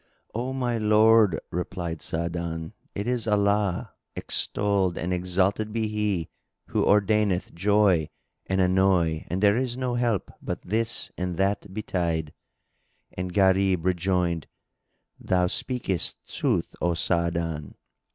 "O my lord," replied Sa'adan, "it is Allah (extolled and exalted be He!) who ordaineth joy and annoy and there is no help but this and that betide." And Gharib rejoined, "Thou speakest sooth, O Sa'adan!"